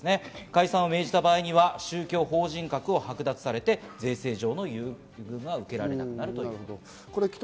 解散を命じた場合には宗教法人格を剥奪されて、税制上の優遇が受けられなくなるということです。